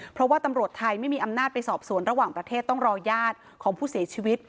เพราะว่าตำรวจไทยไม่มีอำนาจไปสอบสวนระหว่างประเทศต้องรอญาติของผู้เสียชีวิต